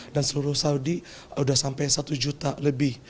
dan seluruh saudi sudah sampai satu juta lebih